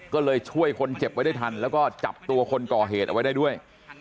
ก็เลยช่วยคนเจ็บไว้ได้ทันแล้วก็จับตัวคนก่อเหตุเอาไว้ได้ด้วย